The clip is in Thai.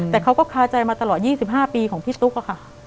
แต่เขาก็คาใจมาตลอด๒๕ปีของพี่ตุ๊กอะค่ะ